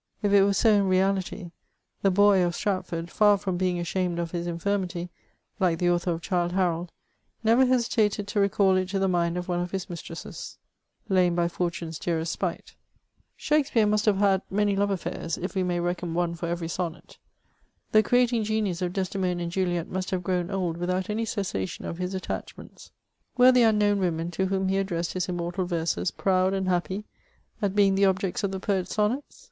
If it was so in reality, the Bor of Stratford, far from being ashamed of his infirmity, like the author of *^ Childe Harold," never hesi tated to recal it to the mind of one of his mistresses :—,,, lame by fortune's dearest spite." Shakspeare must have had many love affairs, if we may reckon one for every sonnet. The creating genius of Desde mona and Juliet must have grown old without any cessation of his attachments. Were the unknown women to whom he addressed his immortal verses proud and happy at being the objects of the poet's sonnets